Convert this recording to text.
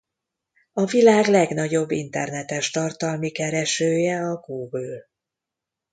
A világ legnagyobb internetes tartalmi keresője a Google.